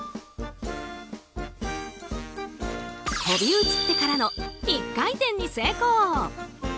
飛び移ってからの１回転に成功。